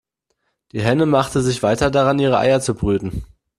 Die Henne machte sich weiter daran, ihre Eier zu brüten.